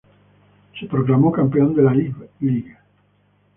Se proclamó campeón de la Ivy League.